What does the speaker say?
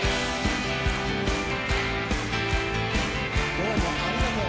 どうもありがとう。